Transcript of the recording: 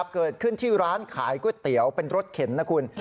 เกิดขึ้นที่ร้านขายก๋วยเตี๋ยวเป็นรถเข็นนะคุณ